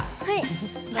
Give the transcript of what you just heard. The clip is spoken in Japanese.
はい。